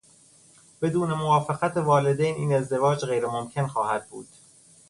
بدون موافقت والدین این ازدواج غیرممکن خواهد بود.